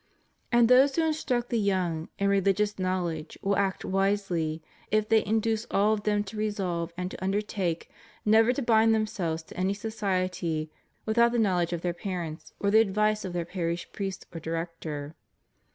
And those who in struct the young in rehgious knowledge will act wisely, if they induce all of them to resolve and to undertake never to bind themselves to any society without the knowledge of their parents, or the advice of their parish priest or director.